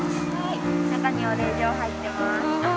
中にお礼状入ってます。